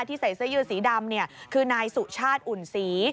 ใส่เสื้อยืดสีดำคือนายสุชาติอุ่นศรี